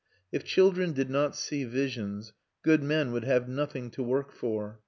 If children did not see visions, good men would have nothing to work for.